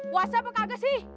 puasa apa kagak sih